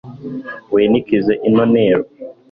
winikize ino ntero